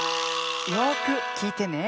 よくきいてね。